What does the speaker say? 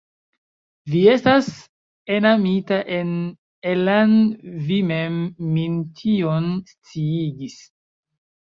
Vi estas enamita en Ella'n vi mem min tion sciigis.